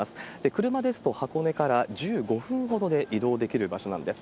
車ですと、箱根から１５分ほどで移動できる場所なんです。